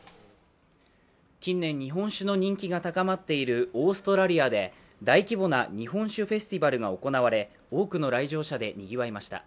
近年、日本酒の人気が高まっているオーストラリアで、大規模な日本酒フェスティバルが行われ、多くの来場者でにぎわいました。